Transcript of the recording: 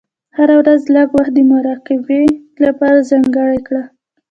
هره ورځ لږ وخت د مراقبې لپاره ځانګړی کړه.